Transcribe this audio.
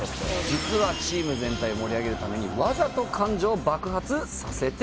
「実はチーム全体を盛り上げるためにわざと感情を爆発させているんです」